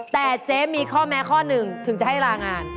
แต่เจ๊มีข้อแม้ข้อหนึ่งถึงจะให้ลางาน